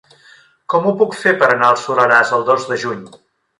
Com ho puc fer per anar al Soleràs el dos de juny?